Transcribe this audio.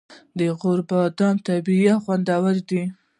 د غور بادام طبیعي او خوندور دي.